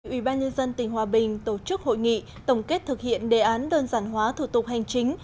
ủy ban nhân dân tỉnh hòa bình tổ chức hội nghị tổng kết thực hiện đề án đơn giản hóa thủ tục hành chính